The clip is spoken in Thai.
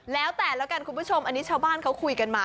แล้วแต่ละกันคุณผู้ชมอันนี้ชาวบ้านเขาคุยกันมา